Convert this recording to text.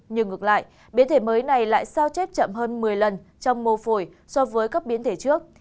nhưng ngược lại biến thể mới này lại sao chết chậm hơn một mươi lần trong mô phổi so với các biến thể trước